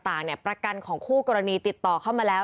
ต่างเนี่ยประกันของคู่กรณีติดต่อเข้ามาแล้ว